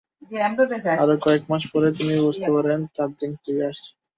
আরও কয়েক মাস পরে তিনি বুঝতে পারেন, তাঁর দিন ফুরিয়ে আসছে।